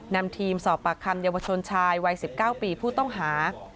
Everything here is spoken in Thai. นำทีมสอบปากคำเยาวชนชายวัย๑๙ปีผู้ต้องหา